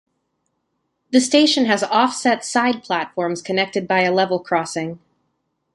The station has offset side platforms connected by a level crossing.